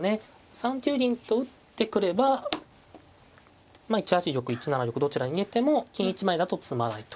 ３九銀と打ってくればまあ１八玉１七玉どちらに逃げても金１枚だと詰まないと。